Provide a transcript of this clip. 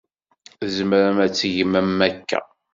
Tzemrem ad tgem am wakka.